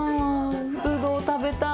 ブドウ食べたい。